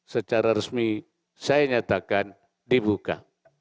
secara resmi saya nyatakan dibuka